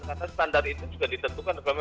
karena standar itu juga ditentukan